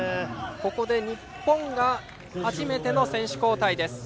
ここで日本が初めての選手交代。